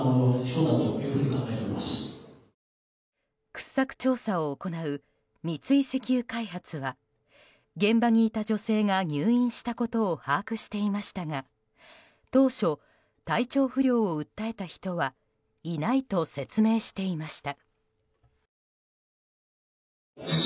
掘削調査を行う三井石油開発は現場にいた女性が入院したことを把握していましたが当初、体調不良を訴えた人はいないと説明していました。